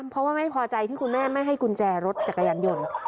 เพราะว่าไม่พอใจที่คุณแม่ไม่ให้กุญแจรถจักรยานยนต์